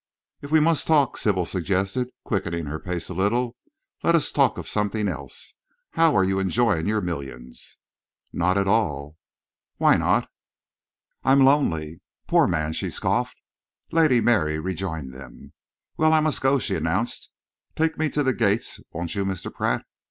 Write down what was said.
"If we must talk," Sybil suggested, quickening her pace a little, "let us talk of something else. How are you enjoying your millions?" "Not at all." "Why not?" "I'm lonely." "Poor man!" she scoffed. Lady Mary rejoined them. "Well, I must go," she announced. "Take me to the gates, won't you, Mr. Pratt?